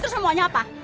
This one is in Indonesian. terus namanya apa